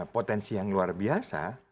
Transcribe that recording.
potensi yang luar biasa